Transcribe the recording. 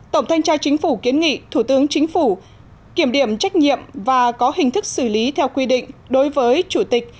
tổng thanh tra chính phủ kiến nghị thủ tướng chính phủ kiểm điểm trách nhiệm và có hình thức xử lý theo quy định đối với chủ tịch